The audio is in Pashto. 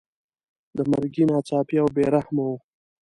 د مرګي ناڅاپي او بې رحمه وو.